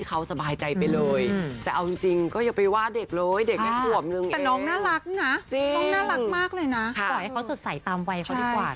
ก็จะใส่ตามไว้กันดีกว่านะครับ